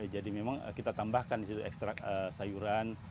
jadi memang kita tambahkan disitu ekstrak sayuran